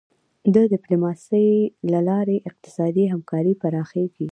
د ډیپلوماسی له لارې اقتصادي همکاري پراخیږي.